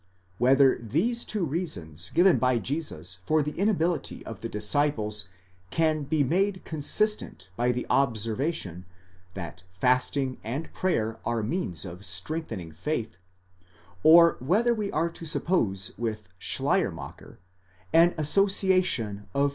44 Whether these two reasons given by Jesus for the inability of the flisciples can be made consistent by the observation, that fasting and prayer are means of strengthening faith ;4° or whether we are are to suppose with Schleiermacher an association of.